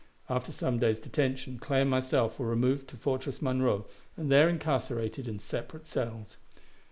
After some days' detention, Clay and myself were removed to Fortress Monroe, and there incarcerated in separate cells.